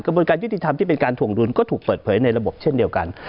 กระบวนการยุติธรรมที่เป็นการถวงดุลก็ถูกเปิดเผยในระบบเช่นเดียวกัน